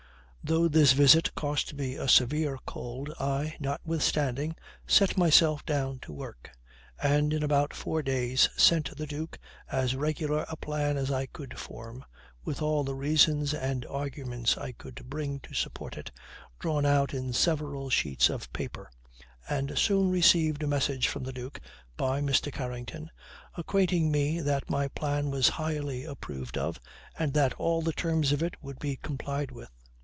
Though this visit cost me a severe cold, I, notwithstanding, set myself down to work; and in about four days sent the duke as regular a plan as I could form, with all the reasons and arguments I could bring to support it, drawn out in several sheets of paper; and soon received a message from the duke by Mr. Carrington, acquainting me that my plan was highly approved of, and that all the terms of it would be complied with.